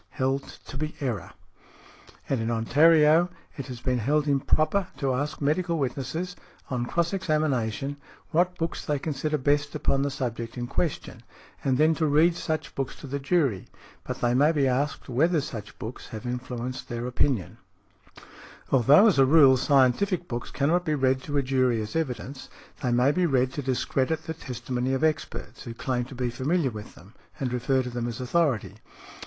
Held to be error . And in Ontario it has been held improper to ask medical witnesses, on cross examination, what books they consider best upon the subject in question, and then to read such books to the jury; but they may be asked whether such books have influenced their opinion . Although, as a rule, scientific books cannot be read to a jury as evidence, they may be read to discredit the testimony of experts, who claim to be familiar with them and refer to them as authority.